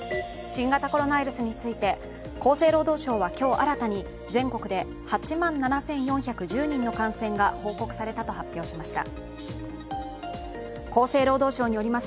新型コロナウイルスについて、厚生労働省は今日新たに全国で８万７４１０人の感染が報告されたと発表しました。